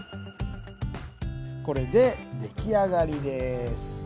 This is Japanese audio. これでできあがりです。